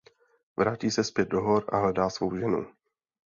Vrátí se zpět do hor a hledá svou ženu.